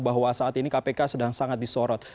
bahwa saat ini kpk sedang sangat disorot